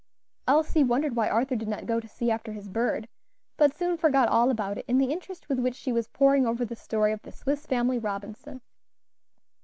Elsie wondered why Arthur did not go to see after his bird, but soon forgot all about it in the interest with which she was poring over the story of the "Swiss Family Robinson."